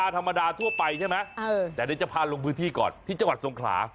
แต่เดี๋ยวจะพาลงพื้นที่ก่อนที่จังหวัดทรงขลา